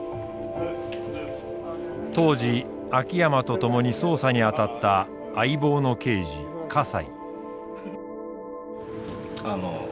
当時秋山と共に捜査にあたった相棒の刑事笠井。